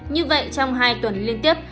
như vậy trong hai tuần liên tiếp